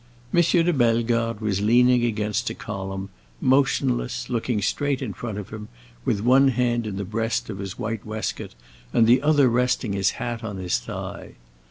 M. de Bellegarde was leaning against a column, motionless, looking straight in front of him, with one hand in the breast of his white waistcoat and the other resting his hat on his thigh.